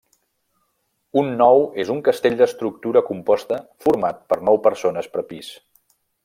Un nou és un castell d'estructura composta format per nou persones per pis.